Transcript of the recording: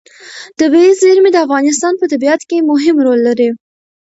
طبیعي زیرمې د افغانستان په طبیعت کې مهم رول لري.